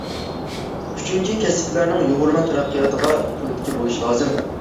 ئۈچىنچى، كەسىپلەرنىڭ يۇغۇرما تەرەققىياتىغا تۈرتكە بولۇش لازىم.